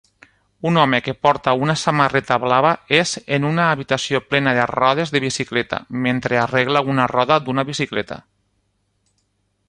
Un home que porta una samarreta blava és en una habitació plena de rodes de bicicleta mentre arregla una roda d'una bicicleta